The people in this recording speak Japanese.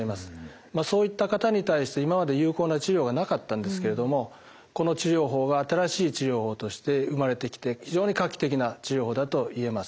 そういった方に対して今まで有効な治療がなかったんですけれどもこの治療法が新しい治療法として生まれてきて非常に画期的な治療法だと言えます。